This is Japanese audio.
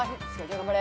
頑張れ。